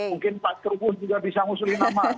mungkin pak terubus juga bisa ngusulkan nama